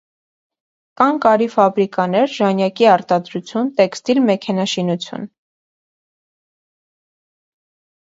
Կան կարի ֆաբրիկաներ, ժանյակի արտադրություն, տեքստիլ մեքենաշինություն։